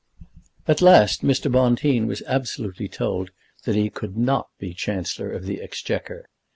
At last Mr. Bonteen was absolutely told that he could not be Chancellor of the Exchequer.